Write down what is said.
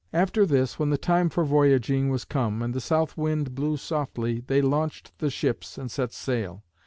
After this, when the time for voyaging was come, and the south wind blew softly, they launched the ships and set sail.